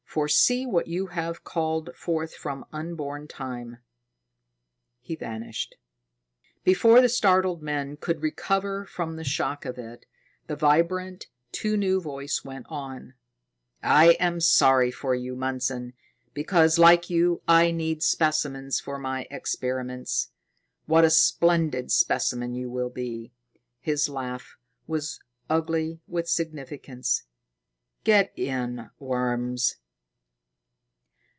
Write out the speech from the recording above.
For see what you have called forth from unborn time." He vanished. Before the startled men could recover from the shock of it, the vibrant, too new voice went on: "I am sorry for you, Mundson, because, like you, I need specimens for my experiments. What a splendid specimen you will be!" His laugh was ugly with significance. "Get in, worms!"